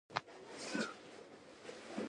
معایناتو ښوده چې د اشلي کیسه